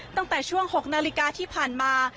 ตั้งแต่ช่วง๖นาฬิกาที่ผ่านมา